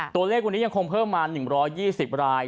ตัวเลขวันนี้ยังคงเพิ่มมา๑๒๐ราย